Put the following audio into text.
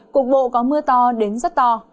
cục bộ có mưa to đến rất to